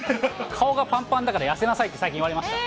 顔がぱんぱんだから痩せなさいって最近言われました。